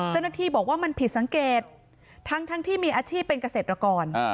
เจ้าหน้าที่บอกว่ามันผิดสังเกตทั้งที่มีอาชีพเป็นเกษตรกร